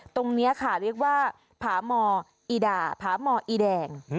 ตรงนี้ค่ะเรียกว่าผาหมออีด่าผาหมออีแดง